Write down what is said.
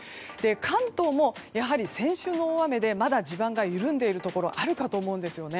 関東もやはり先週の大雨でまだ地盤が緩んでいるところがあると思うんですね。